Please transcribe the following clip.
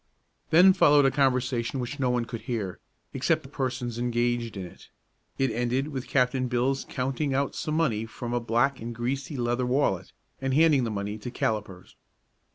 Then followed a conversation which no one could hear, except the persons engaged in it. It ended with Captain Bill's counting out some money from a black and greasy leather wallet, and handing the money to Callipers.